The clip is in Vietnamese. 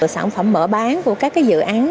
sản phẩm mở bán của các cái dự án